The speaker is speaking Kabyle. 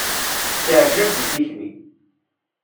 Yetteɛjal di tikli.